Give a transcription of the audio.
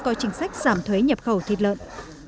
có chính sách giảm thuế nhập khẩu thịt lợn